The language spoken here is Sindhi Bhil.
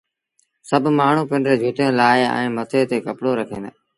سڀ مآڻهوٚٚݩ پنڊريٚݩ جُتيٚن لآهي ائيٚݩ مٿي تي ڪپڙو رکين دآ